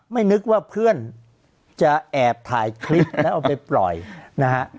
ไม่นึกว่าเพื่อนจะแอบถ่ายคลิปแล้วเอาไปปล่อยนะฮะ